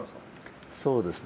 そうですね。